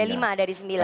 ada lima dari sembilan